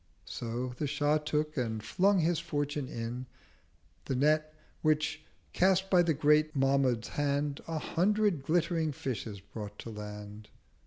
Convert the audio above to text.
So the Shah took, and flung his Fortune in, The Net; which, cast by the Great Mahmud's Hand, A hundred glittering Fishes brought to Land.